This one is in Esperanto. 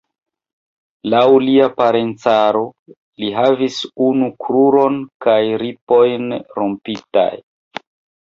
Laŭ lia parencaro, li havis unu kruron kaj ripojn rompitaj.